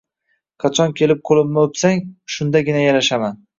Qachon kelib ko'limni o'psang, shundagina yarashaman.